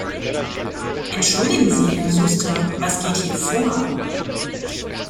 Entschuldigen Sie, Herr Susta, was geht hier vor?